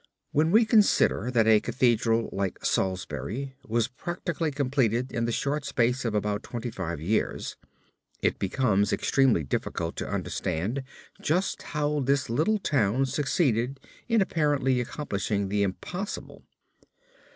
When we consider that a Cathedral like Salisbury was practically completed in the short space of about twenty five years, it becomes extremely difficult to understand just how this little town succeeded in apparently accomplishing the impossible.